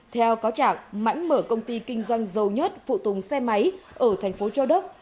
theo cáo trạng mãnh mở công ty kinh doanh dầu nhất phụ tùng xe máy ở thành phố châu đốc